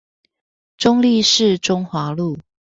中壢市中華路